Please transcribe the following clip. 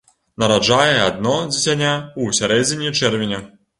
Нараджае адно дзіцяня ў сярэдзіне чэрвеня.